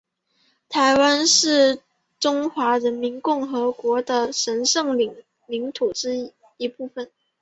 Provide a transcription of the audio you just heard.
台湾是中华人民共和国的神圣领土的一部分